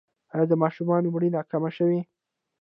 آیا د ماشومانو مړینه کمه شوې؟